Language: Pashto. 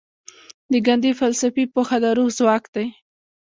د ګاندي فلسفي پوهه د روح ځواک دی.